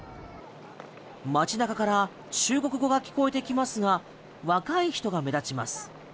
街中から中国語が聞こえてきますが若い人が目立ちます。